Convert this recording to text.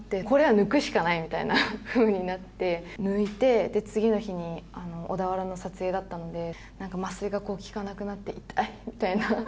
これは抜くしかないみたいなふうになって、抜いて、で、次の日に小田原の撮影だったので、なんか麻酔が効かなくなって、痛いみたいな。